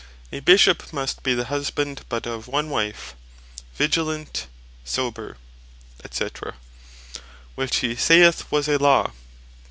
"A Bishop must be the husband but of one wife, vigilant, sober, &c." which he saith was a Law.